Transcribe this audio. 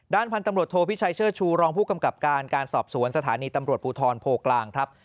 พันธุ์ตำรวจโทพิชัยเชิดชูรองผู้กำกับการการสอบสวนสถานีตำรวจภูทรโพกลางครับ